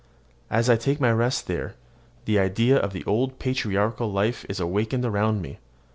As I take my rest there, the idea of the old patriarchal life is awakened around me.